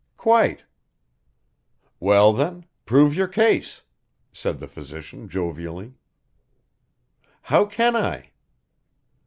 "Quite." "Well, then, prove your case," said the physician jovially. "How can I?"